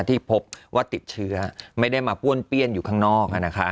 ที่พบว่าติดเชื้อไม่ได้มาป้วนเปี้ยนอยู่ข้างนอก